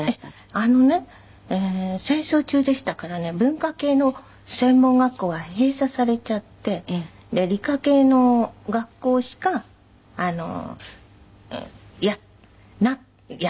あのね戦争中でしたからね文化系の専門学校は閉鎖されちゃって理科系の学校しかやってなかったっちゃ変ですけど。